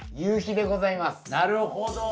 なるほど。